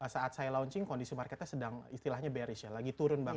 saat saya launching kondisi marketnya sedang istilahnya baris ya lagi turun banget